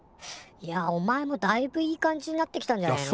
いやおまえもだいぶいい感じになってきたんじゃねえの？